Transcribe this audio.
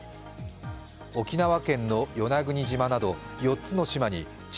沖縄県の与那国島など４つの島に地